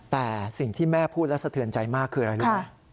แต่สิ่งที่แม่พูดและสะเทือนใจมากคืออะไรรู้ไหม